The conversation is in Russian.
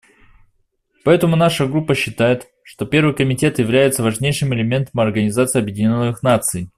Поэтому наша Группа считает, что Первый комитет является важнейшим элементом Организации Объединенных Наций.